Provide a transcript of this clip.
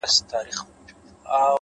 زحمت د خوبونو قیمت دی؛